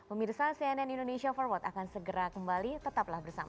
umir salsi cnn indonesia forward akan segera kembali tetaplah bersama kami